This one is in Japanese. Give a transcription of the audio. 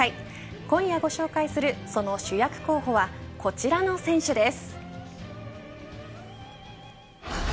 今夜ご紹介するその主役候補はこちらの選手です。